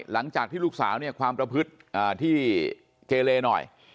หลังจากที่ลูกสาวเนี่ยความประพฤติที่เกเลหน่อย